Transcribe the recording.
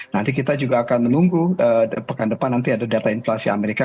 nanti kita juga akan menunggu pekan depan nanti ada data inflasi amerika